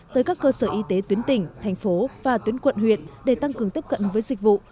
tới các cơ sở y tế tuyến tỉnh thành phố và tuyến quận huyện để tăng cường tiếp cận với dịch vụ